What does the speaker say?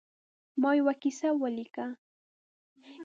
ما یوه کیسه ولیکله.